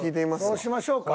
そうしましょうか。